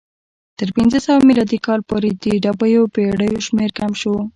تر پنځه سوه میلادي کاله پورې د ډوبو بېړیو شمېر کم شو